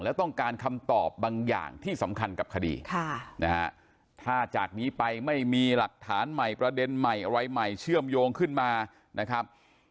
แล้วต้องการคำตอบบางอย่างที่สำคัญกับคดีนะฮะถ้าจากนี้ไปไม่มีหลักฐานใหม่ประเด็นใหม่อะไรใหม่เชื่อมโยงขึ้นมานะครับ